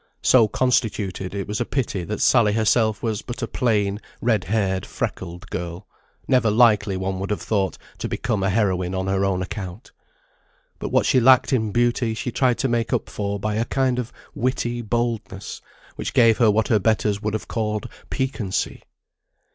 So constituted, it was a pity that Sally herself was but a plain, red haired, freckled girl; never likely, one would have thought, to become a heroine on her own account. But what she lacked in beauty she tried to make up for by a kind of witty boldness, which gave her what her betters would have called piquancy.